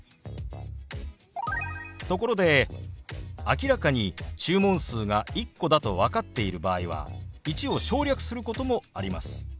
ところで明らかに注文数が１個だと分かっている場合は「１」を省略することもあります。